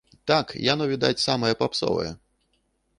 Так, яно, відаць, самае папсовае!